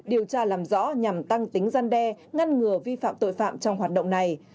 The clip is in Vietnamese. điều tra làm rõ nhằm tăng tính gian đe ngăn ngừa vi phạm tội phạm trong hoạt động này